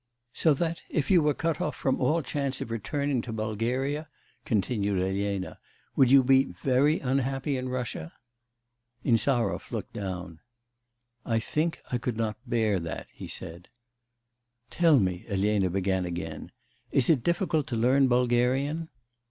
'So that, if you were cut off all chance of returning to Bulgaria,' continued Elena, 'would you be very unhappy in Russia?' Insarov looked down. 'I think I could not bear that,' he said. 'Tell me,' Elena began again, 'is it difficult to learn Bulgarian?